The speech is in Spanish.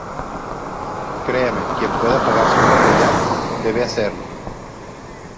créame, quien pueda pagarse un capellán , debe hacerlo